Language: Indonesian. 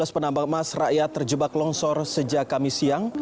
lima belas penambang emas rakyat terjebak longsor sejak kamis siang